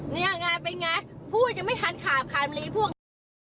นี่แอ๊ดเป็นอย่างไรพูดจะไม่ทันขาบขาดลีพวก